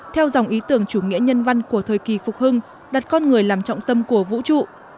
theo dòng ý tưởng chủ nghĩa nhân văn của thời kỳ phục hưng đặt con người làm trọng tâm của vũ trụ